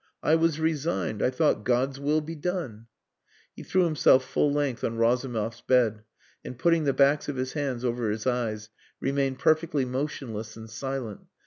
I was resigned. I thought 'God's will be done.'" He threw himself full length on Razumov's bed and putting the backs of his hands over his eyes remained perfectly motionless and silent.